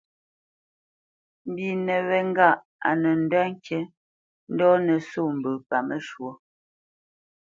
Mbínə wé ŋgâʼ á nə́ ndə̂ ŋkǐ ndo nə́ sô mbə paməshwɔ̌.